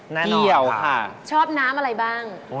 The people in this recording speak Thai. แน่นอนค่ะชอบน้ำอะไรบ้าง